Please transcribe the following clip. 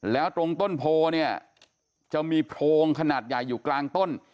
แล้วตรงต้นโพเนี่ยจะมีโพรงขนาดใหญ่อยู่กลางต้น